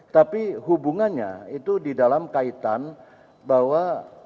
tapi hubungannya itu di dalam kaitan bahwa